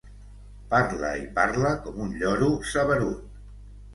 Parla i parla com un lloro saberut.